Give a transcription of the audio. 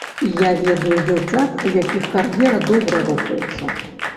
І я ведаю дзяўчат, у якіх кар'ера добра рухаецца.